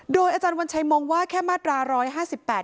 โดยอาจารย์วัญชัยมองว่าแค่มาตราร้อยห้าสิบแปด